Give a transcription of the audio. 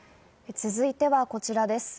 続いては、こちらです。